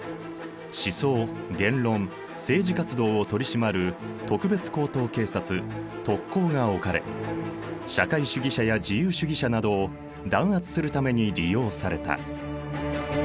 思想・言論・政治活動を取り締まる特別高等警察特高が置かれ社会主義者や自由主義者などを弾圧するために利用された。